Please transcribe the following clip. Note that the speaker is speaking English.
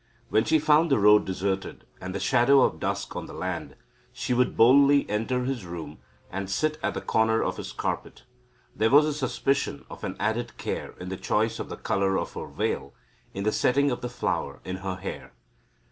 When she found the road deserted, and the shadow of dusk on the land, she would boldly enter his room, and sit at the corner of his carpet. There was a suspicion of an added care in the choice of the colour of her veil, in the setting of the flower in her hair.